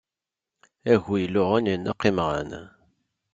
Agu iluɣen ineqq imɣan.